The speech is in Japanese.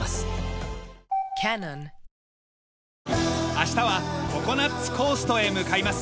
明日はココナッツ・コーストへ向かいます。